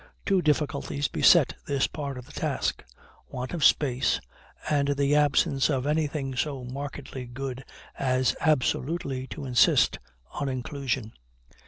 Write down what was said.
Two difficulties beset this part of the task want of space and the absence of anything so markedly good as absolutely to insist on inclusion.